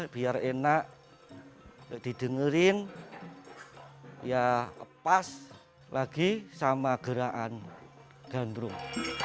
biar enak didengerin ya pas lagi sama gerakan ganrung